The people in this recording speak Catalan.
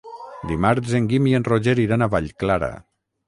Dimarts en Guim i en Roger iran a Vallclara.